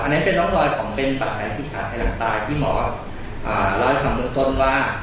อันนั้นเป็นล้องรอยของเป็นประแห่งสิทธิ์หลังตายที่หมอร้อยคำนึกต้นว่า